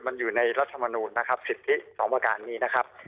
มันอยู่ในรัฐมนุษย์นะครับศิษย์ที่สองประกาศนี้นะครับ